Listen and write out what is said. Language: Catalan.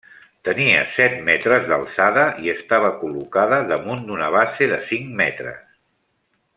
Tenia set metres d'alçada i estava col·locada damunt d'una base de cinc metres.